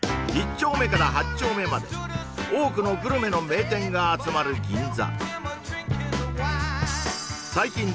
丁目から８丁目まで多くのグルメの名店が集まる銀座